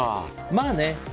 まあね。